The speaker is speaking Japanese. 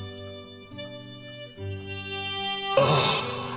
ああ